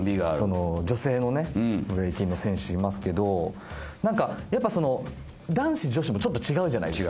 女性のブレイキンの選手いますけど男子・女子もちょっと違うじゃないですか。